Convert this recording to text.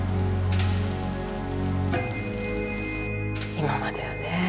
今まではね